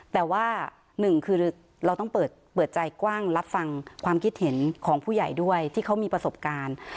แต่ว่าหนึ่งคือเราต้องเปิดใจกว้างรับฟังความคิดเห็นของผู้ใหญ่ด้วยที่เขามีประสบการณ์